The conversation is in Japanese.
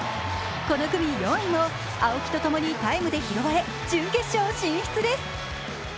この組４位も青木とともにタイムで拾われ準決勝進出です。